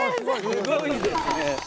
すごいですね。